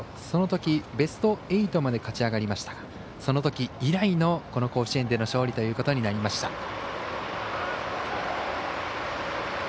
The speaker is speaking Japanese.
そのときベスト８まで勝ち上がりましたがそのとき以来のこの甲子園での勝利ということになりました。